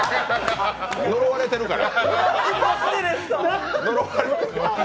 呪われてるから。